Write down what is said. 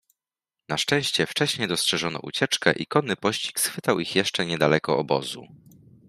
Na szczęście wcześnie dostrzeżono ucieczkę i konny pościg schwytał ich jeszcze nie daleko obozu.